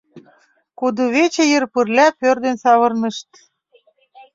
Кудывече йыр пырля пӧрдын савырнышт.